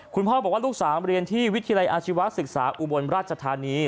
คุณพ่อบอกว่าลูกสาวเรียนที่วิทยาลัยอาชีวศึกษาอุบลราชธานี